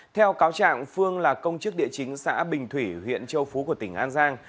theo cáo trạng phương là công chức địa chính xã bình thủy huyện châu phú của tỉnh an giang